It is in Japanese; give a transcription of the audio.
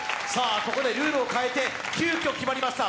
ここでルールを変えて急きょ決まりました